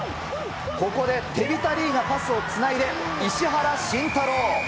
ここでデビタ・リーがパスをつないで石原慎太郎。